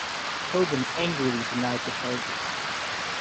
Tobin angrily denied the charges.